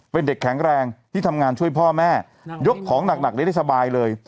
เป็นเด็กแข็งแรงที่ทำงานช่วยพ่อแม่ยกของหนักได้สบายเลย